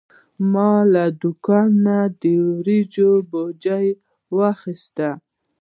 ما له دوکانه د وریجو بوجي واخیست.